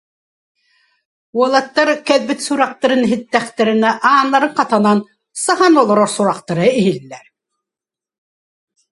Уолаттар кэлбит сурахтарын иһиттэхтэринэ ааннарын хатанан саһан олорор сурахтара иһиллэр